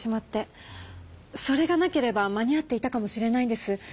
それがなければ間に合っていたかもしれないんです。